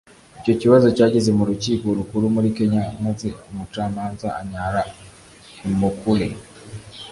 Icyo kibazo cyageze mu Rukiko Rukuru muri Kenya maze umucamanza Anyara Emukule